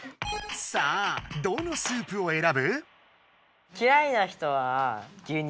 さあどのスープを選ぶ？